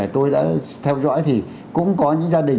tôi đã theo dõi thì cũng có những gia đình